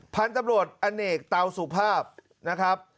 พันธุ์ตำรวจอเนกเตาสุภาพนะครับ